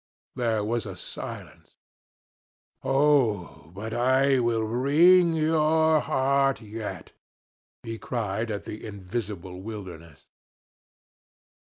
There was a silence. 'Oh, but I will wring your heart yet!' he cried at the invisible wilderness.